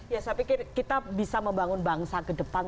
ya saya pikir kita bisa membangun bangsa ke depan